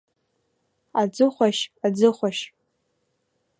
Аӡыхәашь, аӡыхәашь!